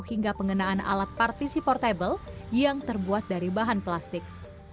hingga pengenaan alat partisi portable yang terbuat dari bahan plastik